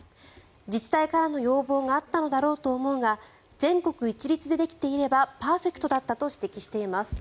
自治体からの要望があったのだろうと思うが全国一律でできていればパーフェクトだったと指摘しています。